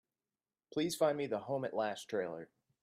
Please find me the Home at Last trailer.